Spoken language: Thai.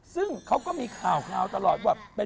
ซึ่งเขาก็มีข่าวตลอดว่า